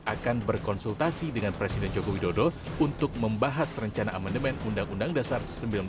akan berkonsultasi dengan presiden joko widodo untuk membahas rencana amandemen undang undang dasar seribu sembilan ratus empat puluh lima